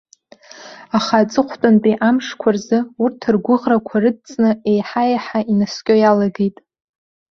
Аха, аҵыхәтәантәи амшқәа рзы, урҭ ргәыӷрақәа рыдҵны еиҳаеиҳа инаскьо иалагеит.